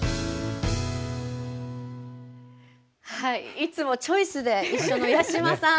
いつも「チョイス」で一緒の八嶋さん